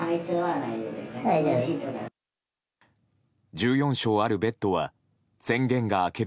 １４床あるベッドは宣言が明ける